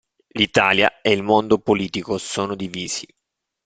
L'Italia e il mondo politico sono divisi.